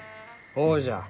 ほうじゃ。